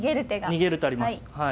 逃げる手あります。